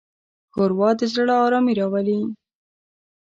ښوروا د زړه ارامي راولي.